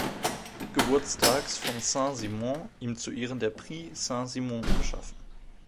Geburtstags von Saint-Simon ihm zu Ehren der Prix Saint-Simon geschaffen.